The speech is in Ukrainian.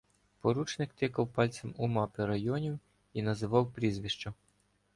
Поручник тикав пальцем у мапи районів і називав прізвища.